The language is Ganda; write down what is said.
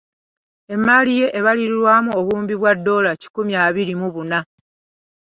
Emmaali ye ebalirirwamu obuwumbi bwa ddoola kikumu abiri mu buna.